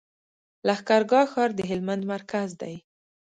لښکر ګاه ښار د هلمند مرکز دی.